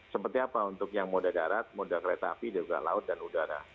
seperti apa untuk yang moda darat moda kereta api juga laut dan udara